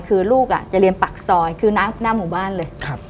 คือลูกจะเรียนปากซอยคือหน้าหมู่บ้านเลย